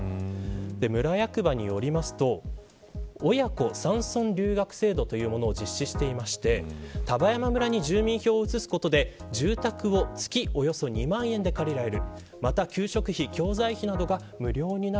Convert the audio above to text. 村役場によりますと親子山村留学制度というものを実施していて丹波山村に住民票を移すことで住宅費、月およそ２万円で借りられる。